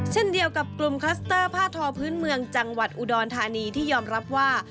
เช่นเดียวกับกลุ่มคลัสเตอร์ผ้าทอพื้นเมืองจังหวัดอุดรธานีที่ยอมรับว่า